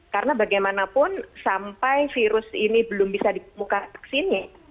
karena bagaimanapun sampai virus ini belum bisa dimuka ke sini